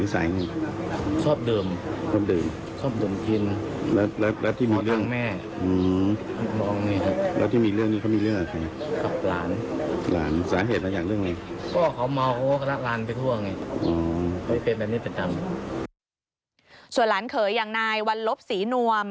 ส่วนหลานเขยอย่างนายวัลลบศรีนวม